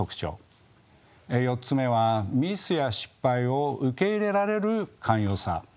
４つ目はミスや失敗を受け入れられる寛容さ。